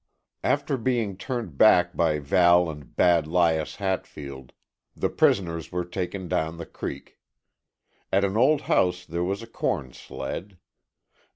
After being turned back by Val and Bad Lias Hatfield the prisoners were taken down the creek. At an old house there was a corn sled.